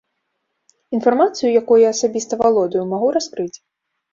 Інфармацыю, якой я асабіста валодаю, магу раскрыць.